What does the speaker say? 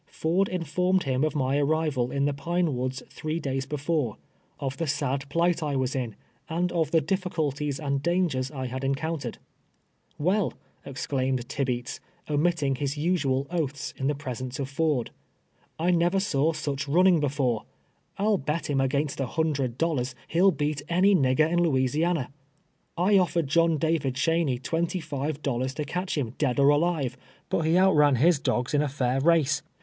Ford informed him of my arrival in the Pine "Woods three days before, of the sad plight I was in, and of the difficulties and dangers I had en countered. " Well," exclaimed Tibeats, omitting his usual oaths in the presence of Ford, " I never saw such running 150 TM ELYE YE.VES A SLAVE. before. I'll bet liliu aixainst a liinidred dollars, lic'll beat any iii>^g"er in J.ouisiana. I ottered Joliii David Cheney twenty tive dollars to catch liini, dead or alive, but he outran his dogs in a fair I'ace.